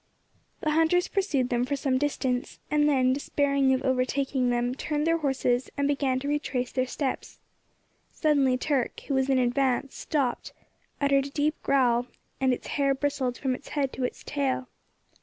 The hunters pursued them for some distance, and then, despairing of overtaking them, turned their horses, and began to retrace their steps. Suddenly Turk, who was in advance, stopped, uttered a deep growl, and its hair bristled from its head to its tail.